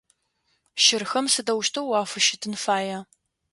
Щырхэм сыдэущтэу уафыщытын фая?